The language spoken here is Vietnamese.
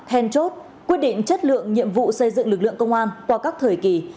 then chốt quyết định chất lượng nhiệm vụ xây dựng lực lượng công an qua các thời kỳ